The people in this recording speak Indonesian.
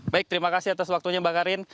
baik terima kasih atas waktunya mbak karin